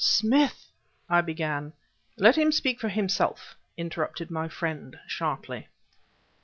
"Smith!" I began... "Let him speak for himself," interrupted my friend sharply.